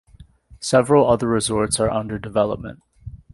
Several other resorts are under development.